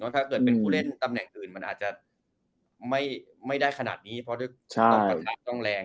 ถ้าเกิดเป็นผู้เล่นตำแหน่งอื่นมันอาจจะไม่ได้ขนาดนี้เพราะด้วยต้องตำแหน่งต้องแรง